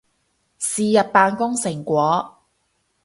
是日扮工成果